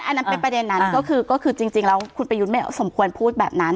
อันนั้นเป็นประเด็นนั้นก็คือจริงแล้วคุณประยุทธ์ไม่สมควรพูดแบบนั้น